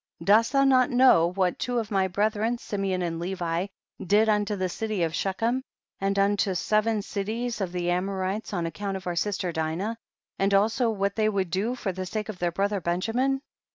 5. Dost thou not know what two 170 THE BOOK OF JASHER. of my brethren, Simeon and Levi, did unto the city of Shechem, and unto seven cities of the Amorites, on account of our sister Dinah, and also what they would do for the sake of their brother Benjamin